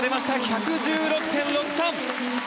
１１６．６３。